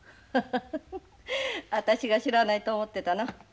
ハハハ私が知らないと思ってたの？